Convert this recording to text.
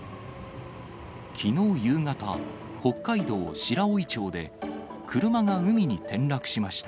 きのう夕方、北海道白老町で、車が海に転落しました。